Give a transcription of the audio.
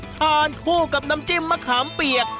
ทานคู่กับน้ำจิ้มมะขามเปียก